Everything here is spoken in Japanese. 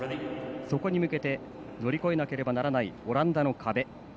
そこに向けて乗り越えなければならないオランダの壁。